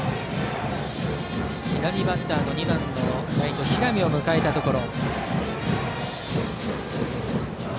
左バッターの２番のライト平見を迎えたところ。